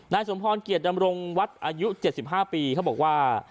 สมพรเกียรติดำรงวัดอายุ๗๕ปีเขาบอกว่า